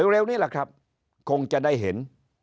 เร็วนี้แหละครับคงจะได้เห็น